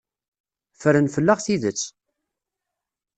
Ffren fell-aɣ tidet.